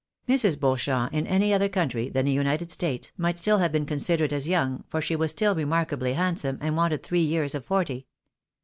Mrs. Beauchamp, in any other country than the United States, might still have been considered as young, for she was still remark ably handsome, and wanted three years of forty.